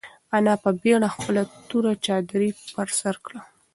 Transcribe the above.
انا په بېړه خپله توره چادري پر سر کړه.